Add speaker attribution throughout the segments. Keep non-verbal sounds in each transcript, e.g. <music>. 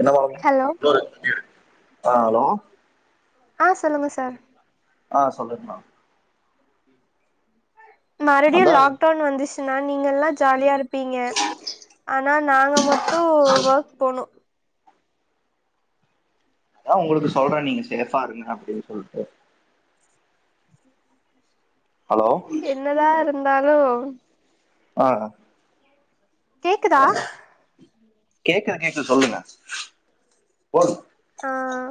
Speaker 1: என்னமா.
Speaker 2: ஹலோ
Speaker 1: <unintelligible> ஆஹ ஹலோ.
Speaker 2: ஆஹ சொல்லுங்க சார்.
Speaker 1: ஆஹ சொல்லுங்மா.
Speaker 2: மறுபடியு
Speaker 1: அதான்
Speaker 2: லாக்டவுன் வந்துச்சு. நா நீங்க எல்லா ஜாலியா இரு. ப்பீங்க ஆனா நாங்க மட்டு வஃர்க் போனு.
Speaker 1: அதா உங்களுக்கு சொல்ற நீங்க சேஃபா இருங்க அப்டின் சொல்ட்டு. ஹலோ
Speaker 2: என்னதா இருந்தாளு.
Speaker 1: ஆஹ.
Speaker 2: கேக்குதா.
Speaker 1: கேக்குது கேக்குது சொல்லுங்க. போதும்.
Speaker 2: ஆஹ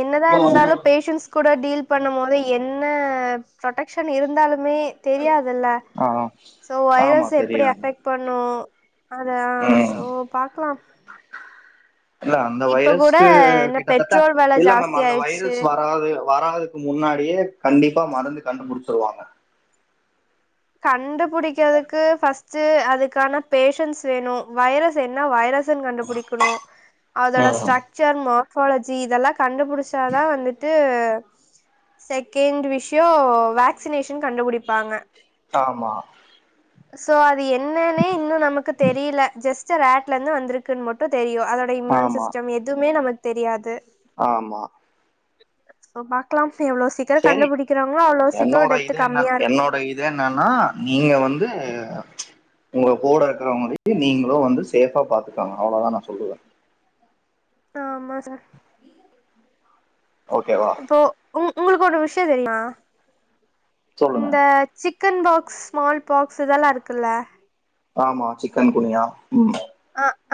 Speaker 2: என்னதா இருந்தாளு பேஷன்ஸ் கூட டீல் பண்னும் போது என். னு புரடெக்க்ஷன் இருந்தாலு. மே தெரியாதுல்ல
Speaker 1: ஆ ஆ.
Speaker 2: சோ
Speaker 1: ஆமா
Speaker 2: வைரஸ் எப்டி
Speaker 1: தெரியாது
Speaker 2: அஃபெக்ட் பண்ணு. அதா
Speaker 1: ம்
Speaker 2: சோ பாக்லா.
Speaker 1: இல்ல அந்த
Speaker 2: இப்ப கூட
Speaker 1: வைரஸ்க்கு
Speaker 2: என்ன
Speaker 1: கிட்டதட்ட
Speaker 2: பெட்ரோல் வெல
Speaker 1: இல்ல மேம்
Speaker 2: ஜாஸ்தி
Speaker 1: அந்த
Speaker 2: ஆயிடுச்சு
Speaker 1: வைரஸ் வராது வராது. முன்னாடியே கண்டிப்பா மருந்து கண்டுபுடிச்சிருவாங்க.
Speaker 2: கண்டுபிடிக்கிறதுக்கு பஸ்ட்டு அதுக்கான பேஷன்ஸ் வேணு வைரஸ் என்ன வைரஸ். வைரஸ்னு கண்டுபுடிக்கணு. அதோட
Speaker 1: ம்.
Speaker 2: Structure mass. அப்பாலஜி இதெல்லா. கண்டுபுடிச்சாதா வந்துட்டு. செகண்ட் விஷியோ வேக்சினேஷன் கண்டுபுடிப்பாங்க.
Speaker 1: ஆமா.
Speaker 2: சோ அது என்னனே இன்னு நமக்கு தெரியல ஜஸ்ட் ரேக்லருந்து வந்திருக்குன்னு மட்டு தெரியு. அதோட இம்யூன்
Speaker 1: ஆமா
Speaker 2: சிஸ்டம் எதுமே நம்ம. தெரியாது.
Speaker 1: ஆமா.
Speaker 2: சோ பாக்லாம். எவ்ளோ சீக்கிறோ
Speaker 1: சரி
Speaker 2: கண்டுபுடிக்கிறாங்களோ அவ்ளோ சீக்கிறோ டெத்து கம்மியா இருக்கு.
Speaker 1: ஆஹ நீங்க வந்து. உங்க கூட இருக்கிறவங்களுக்கு நீங்களு வந்து சேஃபா பாத்துக்கங்க அவ்வளதா நா சொல்லுவே
Speaker 2: ஆமா சார்
Speaker 1: ஓகேவா
Speaker 2: இப்போ உம் உங்களுக்கு ஒரு விஷ்யம் தெரியுமா
Speaker 1: சொல்லுங்க
Speaker 2: இந்த chicken box small box இதல்லா இருக்குல்ல
Speaker 1: ஆமா சிக்கன் குனியா உம்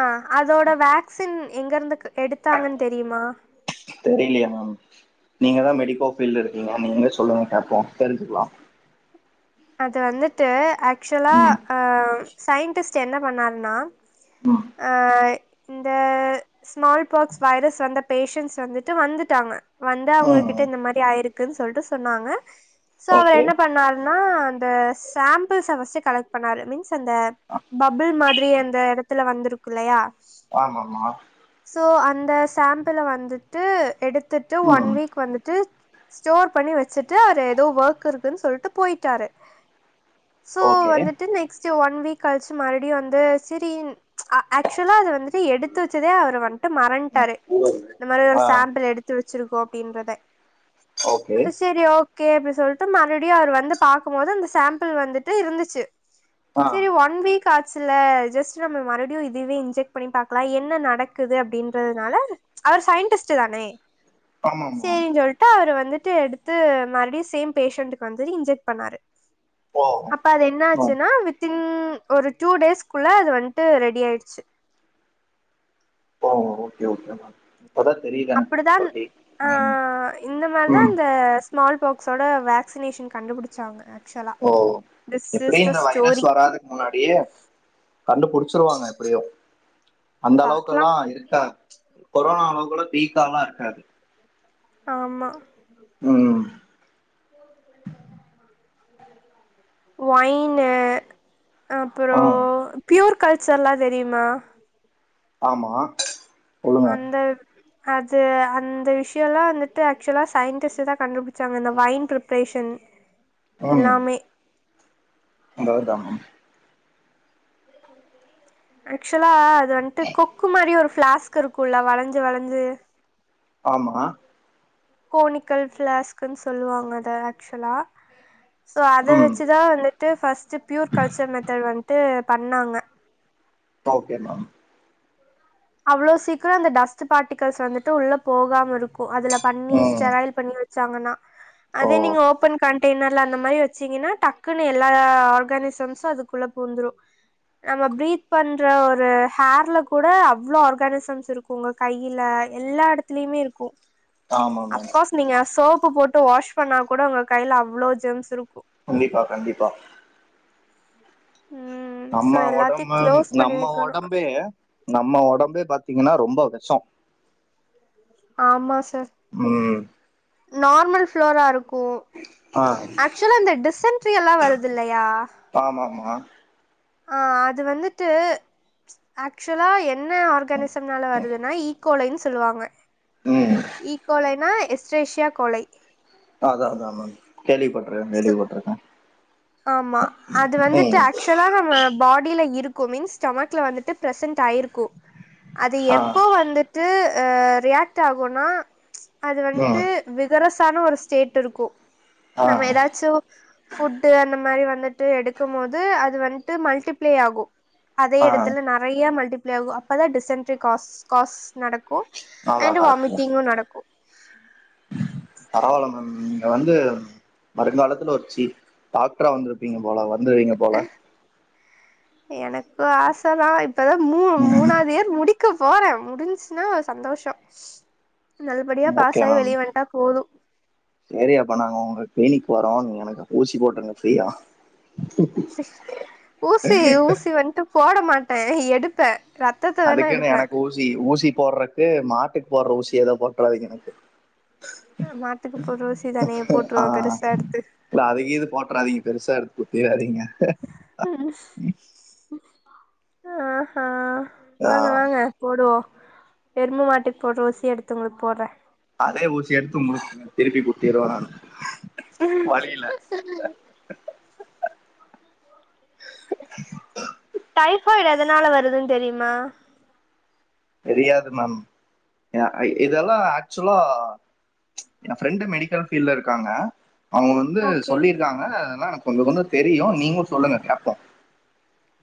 Speaker 2: அ அதோட வேக்சின் எங்க இருந்து எடுத்தாங்கன் தெரியுமா
Speaker 1: தெரியலயே மேம் நீங்க தா மெடிக்கோ ஃபீல்ட்ல இருக்கீங்க நீங்களே சொல்லுங்க கேப்போ தெரிஞ்சுக்கலா
Speaker 2: அது வந்துட்டு அக் ச்சுவலா
Speaker 1: ம்
Speaker 2: ஆ சயின்டிஸ்ட் என்ன பண்ணாருன்னா
Speaker 1: ம்
Speaker 2: ஆ இந்த ஸ்மால் பாக்ஸ் வைரஸ் வந்த பேஷன்ட்ஸ் வந்துட்டு வந்துட்டாங்க வந்து
Speaker 1: ம்
Speaker 2: அவுங்ககிட்ட இந்த மாரி ஆயிருக் க்குன் சொல்ட்டு சொன்னாங்க சோ அவர்
Speaker 1: ஓகே
Speaker 2: என்ன பண்ணாரு ன்னா அந்த சாம்பிள்ஸ ஃபர்ஸ்ட்டு கலெக்ட் பண்ணாரு மீன்ஸ் அந்த பபுள் மாதிரி அந் த எடத்துல வந்திருக்குல்லையா
Speaker 1: ஆமாமா
Speaker 2: ப்போ அந்த சாம்பிள வந்துட்டு எடுத் த்துட்டு ஒன்
Speaker 1: ம்
Speaker 2: வீக் வந்துட்டு ஸ்டோர் பண்ணி வச்சுட்டு அவரு எதோ ஒர்க் இருக்குன்னு சொல்லிட்டு போயி ட்டாரு சோ
Speaker 1: ஓகே
Speaker 2: வந்துட்டு நெக்ஸ்ட்டு ஒன் வீக் கழிச்சு மறுடியு வந்து சிரி ஆக்சுவலா அது வந்து து வச்சதே அவர் வன்ட்டு மறன்ட்டாரு இந்த மாரி ஒரு
Speaker 1: ஆ
Speaker 2: சாம்பிள் எடுத்து வச் சிருக்கோ அப்டின்றத
Speaker 1: ஓகே
Speaker 2: சேரி ஓக் கே அப்புடி சொல்ட்டு மறுடியு அவர் வந்து பாக்கும் போது அந்த சாம்பிள் வந்துட்டு இருந்துச்சு
Speaker 1: ஆ
Speaker 2: சேரி ஒன் வீக் ஆச் சுல ஜஸ்ட் நம்ம மறுடியு இதுவே இன்ஜெக்ட் பண்ணி பாக்கலா என்ன நடக்குது அப்டின்றதுனால அவர் சயின்டிஸ்ட் தானே
Speaker 1: ஆமாம்மா
Speaker 2: சேரினு சொல்ட்டு அவரு வந்து எடுத்து எடுத்து மறுடியு சேம் பேஷண்ட்க்கு வந்து இன்ஜெக்ட் பண்ணாரு
Speaker 1: ஓ
Speaker 2: அப்ப அது என்ன
Speaker 1: ஓ
Speaker 2: ஆச்சுன்னா வித்தின்ன் ஒரு டூ டேஸ்க்குள்ள அது வந்துட்டு ரெடியாயிடுச்சு
Speaker 1: ஓ ஓகே ஓகே ம
Speaker 2: அப்படிதான் அ அ இந்த மாரிதான்
Speaker 1: ம்
Speaker 2: இந்த ஸ்மால் போக்ஸோட வேக்சினேஷன் கண்டுபிடிச்சாங்க ஆக்சுவலா
Speaker 1: ஓ
Speaker 2: திஸ்
Speaker 1: எப்டி
Speaker 2: இஸ் த
Speaker 1: இந்த வைரஸ்
Speaker 2: ஸ்டோரி
Speaker 1: வராதுக்கு முன்னாடியே கண்டு புடிச்சிருவாங்க எப்படியும் அந்த
Speaker 2: பாக்கலாம்
Speaker 1: அளவுக்கல்லா இருக்க கொரோனாவாலவு கூட வீக்காலா இருக்காது
Speaker 2: ஆமா
Speaker 1: ம்
Speaker 2: ஒயின்னு அப்புற
Speaker 1: ஆ
Speaker 2: பியூர் களிச்சர்ல்லா தெரியுமா
Speaker 1: ஆமா சொல்லுங்க
Speaker 2: அந்த அது அந்த விஷயம் எல்லா வந்துட்டு ஆக்சுவலா சயின்டிஸ்ட் தான் கண்டுபிடிச்சாங்க இந்த வைன் ஃப்ரேஷன்
Speaker 1: உம் அதாவது த
Speaker 2: அஷ்வலா இது வந்துட்டு குக்கு மாரி ஒரு பிளாஸ்க் இருக்கும்ல வளைஞ்சு வளைஞ்சு
Speaker 1: ஆமா
Speaker 2: கோணிக்கல் பிளாஸ்க்கன்னு சொல்லுவாங்க அத ஆக்சுவலா ஸோ அதை
Speaker 1: ம்
Speaker 2: வச்சுதா வந்துட்டு பர்ஸ்ட் ப்யூர் கல்ச்சர் மெத்தட் வந்துட்டு பண்ணாங்க
Speaker 1: ஓகே மேம்
Speaker 2: அவ்ளோ சீக்கிரம் அந்த டஸ்ட் பார்ட்டிகல்ஸ் வந்துட்டு உள்ள போகாம இருக்கு அதுல பண்ணி
Speaker 1: ம்
Speaker 2: ஸெராயல் பண்ணி வச்சு வச்சாங்கனா
Speaker 1: ஓ
Speaker 2: அதே நீங்க ஓபன் க இன்னேர் ல வச்சிக்கிங்கன்னா டக்குனு எல அரக்கனைஷம் அதுக்குள்ள பூந்துடு நம்ப பிரித் பன்ற ஒரு ஹர்ல கூட இவ்வளோ ஆர்கானிசம்ஸ் இருக்கு உங்க கையில எல்லா இடத்துலயுமே இருக்கு
Speaker 1: ஆமா மேம்
Speaker 2: அஃப்கோர்ஸ் நீங்க அஸ் போட்டு வாஷ் பண்ணா கூட உங்க கையில அவ்வளவு ஜெம்ஸ் இருக்கும்
Speaker 1: கண்டிப்பா கண்டிப்பா
Speaker 2: ம். ஸோ
Speaker 1: நம்ம
Speaker 2: எல்லாத்தையும்
Speaker 1: உடம்பு
Speaker 2: க்ளோஸ் பண்ணி
Speaker 1: நம்ம
Speaker 2: வைக்கணும்.
Speaker 1: உடம்பே நம்ம உடம்பே பாத்தீங்கன்னா ரொம்ப விஷம்
Speaker 2: ஆமா சார்.
Speaker 1: உம்
Speaker 2: நார்மல் ஃப்ளோராருக் கு
Speaker 1: ஆ
Speaker 2: ஆக்சுவலா இந்த டிசன்ட்ரி எல்லாருது இல்லையா
Speaker 1: ஆமாமா
Speaker 2: ஆ அது வந்துட்டு ஆக்ச்சுவலா என்ன ஆர்கானிசம்னால வருதுனா இ கோலைன் சொல்லுவாங்க
Speaker 1: ம்
Speaker 2: ஈகோலைனா இஸ் சேஷ்யா கொளை
Speaker 1: அதா அதா அதா மேம் கேள்விப்பட்ருக்க
Speaker 2: சோ
Speaker 1: கேள்விப்பட்ருக்கே
Speaker 2: ஆமா அது வந்துட்டு ஆக்சுவலா நம்ம பாடில இரு கு மின்ஸ் ஸ்டொமக்ல வந்துட்டு ப்ரசன்ட் ஆயிருக்கு அது
Speaker 1: ஆ
Speaker 2: எப்போ வந்துட்டு அ ரியாக்ட் ஆகுன்னா அது வந்துட்டு
Speaker 1: ம்
Speaker 2: விகரஸ் டானு ஒரு ஸ்டேட் இருக்கு
Speaker 1: ஆ
Speaker 2: நம்ம எதாச்சு ஃபுட் அந்த மாரி வந்துட்டு எடுக்கும் போது அது வந்துட்டு மல்டிப்ளை ஆகும் அதே
Speaker 1: ஆ
Speaker 2: எடத்துல நறைய மல்டி ப்ளெ ஆகு அப்பதா டிசன்ட்ரி காஸ் காஸ் நடக் கு அண்ட்
Speaker 1: அதான் கரெக்ட்
Speaker 2: வாமிட்டிங்கு நடக்கு உம்
Speaker 1: பரவால்ல மேம் நீங்க வந்து வருங்காலத்துல ஒரு சீஃப் டாக்டரா வந்திருப்பீங்க போல வந்துருவீங்க போல
Speaker 2: கு ஆச தா இப்ப தா மூ
Speaker 1: ம்
Speaker 2: மூணாவதியர் முடி க்க போறே முடிஞ்ச்சுனா சந்தோஷொ நல்லபடியா பாஸாயி வெளிய வன்ட்டா போது
Speaker 1: செரி அப்ப நாங்க உங்க ட்ரைனிங்க்கு வரோ நீங்க எனக்கு ஊசி போட்ருங்க ஃப்ரீயா
Speaker 2: ஊசி ஊசி வன்ட்டு போட மாட்டே‌ எடுப்பே ரத்தத்த வேணா
Speaker 1: அதுக்குனு
Speaker 2: எடுப்பே
Speaker 1: எனக்கு ஊசி ஊசி போடுடறக்கு மாட்டுக்கு போட்டற ஊசி ஏதோ போட்டுறதிங்க எனக்கு
Speaker 2: மாட்டுக்கு போட்ற ஊசி தானே
Speaker 1: <unintelligible>
Speaker 2: போட்ருவோ
Speaker 1: ஆஹ்
Speaker 2: பெருசா எடுத்து
Speaker 1: இல்ல அதுக்கு இது போட்றாதீங்க பெருசா குத்திடாதீங்க
Speaker 2: <inaudible> ஆஹா
Speaker 1: ஆ
Speaker 2: வாங்க வாங்க போடுவோம் எரும மாட்டுக்கு போடுற ஊசி எடுத்து உங்களுக்கு போடுறேன்
Speaker 1: அதே ஊசி எடுத்து <unintelligible> திருப்பி குத்திடுவேன் நானு
Speaker 2: உஹம்
Speaker 1: வலியில
Speaker 2: <unintelligible>
Speaker 1: <inaudible>
Speaker 2: டைபாய்டு எதுனால வருதுன்னு தெரியுமா
Speaker 1: தெரியாது மேம் இதெல்லாம் ஆக்சுவலா என் பிரண்டு மெடிக்கல் பீல்டல இருக்காங்க அவுங்க வந்து
Speaker 2: ஓகே
Speaker 1: சொல்லியிருக்காங்க ஆனா எனக் கொஞ்சம் கொஞ்சம் தெரியும் நீங்களும் சொல்லுங்க கேப்போம்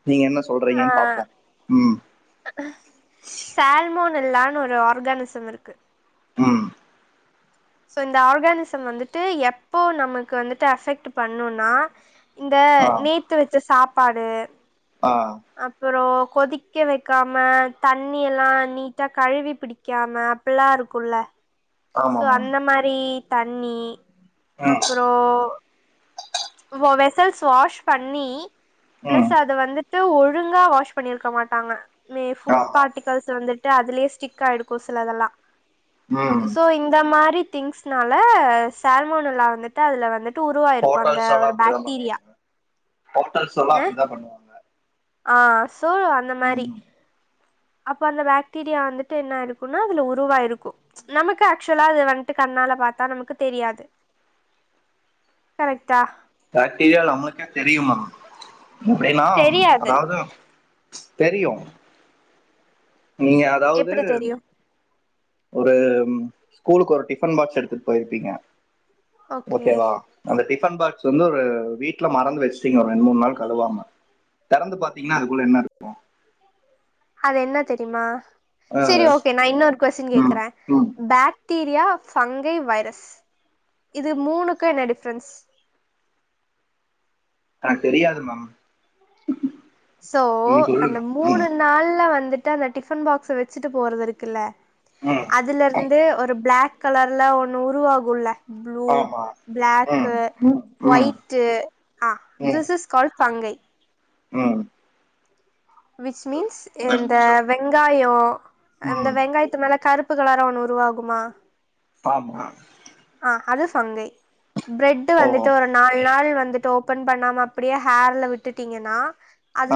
Speaker 1: நீங்க என்ன
Speaker 2: ஆ
Speaker 1: சொல்றீங்கன்னு பாப்போம் உம்
Speaker 2: சால்மோன் எல்லாம் ஒரு ஆர்கானிசம் இருக்கு
Speaker 1: ம்
Speaker 2: சோ இந்த ஆர்கானிசம் வந்துட்டு எப்போ நமக்கு வந்துட்டு அஃபெக்ட் பண்ணும்னா இந்த
Speaker 1: ஆ
Speaker 2: நேத்து வச்ச சாப் பாடு
Speaker 1: ஆ
Speaker 2: அப்புறோ கொதிக்க வைக்காம தண்ணி எல்லாம் நீட்டா கழுவி பிடிக்காம அப்பில்லாம் இருக்கும்ல்ல
Speaker 1: ஆமா
Speaker 2: சோ
Speaker 1: மேம்
Speaker 2: அந்த மாரி தண்ணி
Speaker 1: ம்
Speaker 2: அப்புறோ வெசல்ஸ் வாஷ் பண்ணி பிளஸ்
Speaker 1: ம்
Speaker 2: அத வந்து ஒழுங்கா வாஷ் பண்ணிருக்க மாட்டாங்க மே ஃபுட்
Speaker 1: ஆமா
Speaker 2: பாட்டிகல்ஸ் வந்துட்டு அதுலயே ஸ்டிக் ஆய்டுக்கும் சில தெல்லாம்
Speaker 1: ம்
Speaker 2: சோ இந்த மாரி திங்ஸ்னால சால்மன்னுலா வந்துட்டு அதுல வந்துட்டு ஒரு உருவாயிருக்கு அந்த
Speaker 1: ஹோட்டல்ஸ் எல்லாம் அப்படிதான்
Speaker 2: பாக்டீரியா
Speaker 1: பண்ணுவாங்க ஹோட்டல்ஸ் எல்லாம் அப்படிதான் பண்ணுவாங்க
Speaker 2: ஆஹ் சோழ அந்த மாதிரி
Speaker 1: ம்
Speaker 2: அப்ப அந்த பாக்டீரியா வந்துட்டு என்ன இருக்குனா அதுல உருவா இருக்கும் நமக்கு ஆக்சுவலா அது வந்துட்டு கண்ணால பாத்தா நமக்கு தெரியாது கரெக்டா
Speaker 1: பாக்டீரியா நமக்கே தெரியும்மாம் அப்படின்னா
Speaker 2: தெரியாது
Speaker 1: அதாவது தெரியும் நீங்க அதாவது
Speaker 2: எப்டி தெரியு
Speaker 1: ஒரு ஸ்கூலுக்கு ஒரு டிஃபன் பாக்ஸ் எடுத்துட்டு போயிருப்பீங்க
Speaker 2: ஓகே
Speaker 1: ஓக்கேவா அந்த டிஃப பன் பாக்ஸ் வந்து ஒரு வீட்டுல மறந்து வச்சுட்டீங்க ஒரு ரெண்டு மூணு நாள் கழுவாம திறந்து பாத்தீங்கன்னா அதுக்குள்ள என்ன இருக்கும்
Speaker 2: அது என்ன தெரியுமா செரி
Speaker 1: அஹ்,
Speaker 2: ஓக்கே நான் இன்னொரு கொஸ்டின்
Speaker 1: ம்
Speaker 2: கேக்குறேன்
Speaker 1: ம்
Speaker 2: பேக் பாக்டீரியா ஃபங்கை வைரஸ் இது மூணுக்கு என்ன டிஃப்ரென்ஸ்
Speaker 1: எனக்கு தெரியாது மேம்
Speaker 2: சோ
Speaker 1: நீங்க
Speaker 2: அந்த
Speaker 1: சொல்லுங்க
Speaker 2: மூணு
Speaker 1: ம்
Speaker 2: நாள்ல வந்துட் டு அந்த டிஃபன் பாக்ஸ வச்சிட்டு போறது இருக்குல்ல
Speaker 1: ம்
Speaker 2: அதுல இருந்து ஒரு பிளாக் கலர்ல ஒன்னு உருவாகுள்ள ப்ளூ
Speaker 1: ஆமா ம்
Speaker 2: பிளாக்கு
Speaker 1: ம் ம்
Speaker 2: ஒயிட்டு ஆஹ் திஸ் இஸ் கால் ஃபங்கை
Speaker 1: உம்
Speaker 2: விச் மீன்ஸ் இந்த வெங்காயம் இந்த
Speaker 1: ம்
Speaker 2: வெங்காயத்து மேல கருப்பு கலரா ஒண்ணு உருவாகுமா
Speaker 1: ஆமா
Speaker 2: ஆஹ் அது ஃபங்கை பிரெட்
Speaker 1: ஓ
Speaker 2: வந்துட்டு ஒரு நாலு நாள் வந்துட்டு பன் பண்ணாம அப்படியே ஹேர்ல விட்டுட்டீங்கன்னா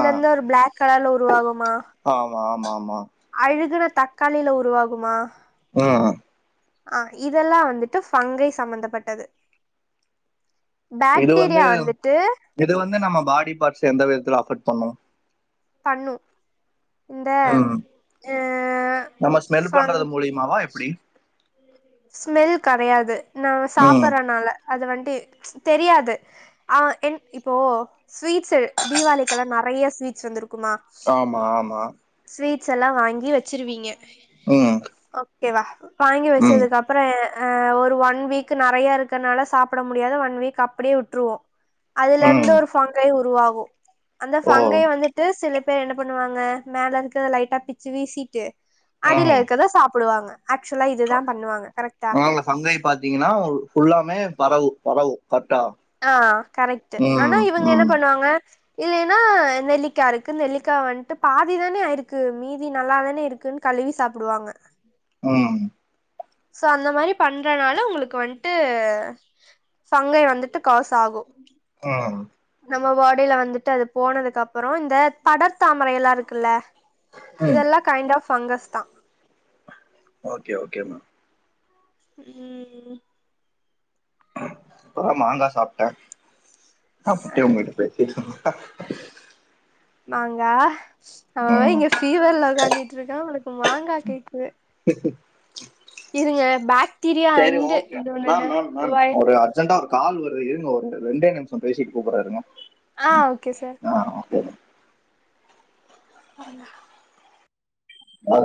Speaker 1: ஆ
Speaker 2: இருந்து ஒரு பிளாக் கலர்ல உருவாகுமா
Speaker 1: ஆமா ஆமா ஆமா
Speaker 2: அழுகுன தக்காளில உருவாகுமா
Speaker 1: ஆஹ்
Speaker 2: ஆஹ் இதெல்லாம் வந்துட்டு ஃபங்கை சம்மந்தப்பட்டது
Speaker 1: இது வந்து
Speaker 2: பாக்டீரியா வந்துட்டு
Speaker 1: இது வந்து நம்ம பாடி பார்ட்ஸ் எந்த விதத்துல அஃபெக்ட் பண்ணும்
Speaker 2: பண்ணும் இந்த
Speaker 1: ம்
Speaker 2: ஹ
Speaker 1: நம்ம ஸ்மெல்
Speaker 2: ப
Speaker 1: பண்றது மூலியமாவா எப்படி
Speaker 2: ஸ்மெல் கறையாது நான்
Speaker 1: ம்
Speaker 2: சாப்பிறனால அது வண்டு தெரியாது ஆஹ என் இப்போ ஸ்வீட்ஸ் தீவாளிக்குல்லாம் நறையா ஸ்வீட்ஸ் வந்துருக்கும்
Speaker 1: ஆமா ஆமா
Speaker 2: ஸ்வீட்ஸ் எல்லாம் வாங்கி வச்சிருவீங்க
Speaker 1: உம்
Speaker 2: ஓகே வா வாங்கி வச்சதுக்கு அப்புற அஹ் ஒரு ஒன் வீக் நறையா இருக்கறனால சாப்பிட முடியாது ஒன் வீக் அப்டியே விட்டுருவோம் அதுல இருந்து
Speaker 1: ம்
Speaker 2: ஒரு ஃபொங்கை உருவாகும் போ அந்த
Speaker 1: ஓ
Speaker 2: ஃபங்கையை வந்துட்டு சில பேர் என்ன பண்ணுவாங்க மேல இருக்க லைட்டா பிச்சு வீசிட்டு அடியில இருக்கதான் சாப்பிடுவாங்க ஆக்சுவலா இதுதா பண்ணுவாங்க கரெக்டா
Speaker 1: ஆ சங்காய பாத்தீங்கன்னா ஃபுல்லாமே பரவு பரவும்
Speaker 2: ஆஹ் கரெக்ட் ஆனா இவுங்க என்ன
Speaker 1: ம்
Speaker 2: பண்ணுவாங்க இல்லலைன்னா நெல்லிக்காய் இருக்கு நெல்லிக்காய் வந்துட்டு பாதி தானே ஆய்ருக்கு மீதி நல்லாதானே இருக்குன்னு கழுவி சாப்பிடுவாங்க
Speaker 1: உம்
Speaker 2: சோ அந்த மாரி பண்றனால உங்களுக்கு வந்துட்டு ஃபங்கை வந்துட்டு காசு ஆகும்
Speaker 1: ஆஹ்
Speaker 2: நம்ம வாடையில வந்துட்டு அது போனதுக்கு அப்புறம் இந்த படர் தாமரை எல்லாம் இருக்குல்ல
Speaker 1: ம்
Speaker 2: இதெல்லாம் கைண்ட் ஆஃப் ஃபங்கஸ்தான்
Speaker 1: ஓகே ஓகேமா
Speaker 2: உம்ம்
Speaker 1: இப்பதான் மாங்காய் சாப்ட்டேன் <unintelligible> <unintelligible>
Speaker 2: மாங்கா
Speaker 1: ம்
Speaker 2: அவஅவஇங்க பீவர்ல உக்காந்துட்டுருக்கான் உனக் மாங்காக் கேக்குது
Speaker 1: <inaudible>
Speaker 2: இருங்க பாக்டீரியா
Speaker 1: சரி
Speaker 2: அண்ட்
Speaker 1: ஓகே
Speaker 2: இது ஒண்ணு என்ன
Speaker 1: மேம் மேம் மேம்
Speaker 2: வய்
Speaker 1: ஒரு அர்ஜென்ட்டா ஒரு கால் இருங்க ஒரு ரெண்டே நிமிசம்பேசிட்டு கூப்பிறேன் இருங்க
Speaker 2: ஆஹ் ஓகே சார் பாருங்க.
Speaker 1: அஹ.